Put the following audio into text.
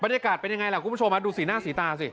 บรรยากาศเป็นอย่างไรหล่ะคุณผู้ชมครับดูสิหน้าสีตาสิ